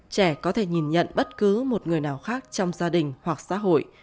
trẻ có thể nhìn nhận bất cứ một người nào khác trong gia đình hoặc xã hội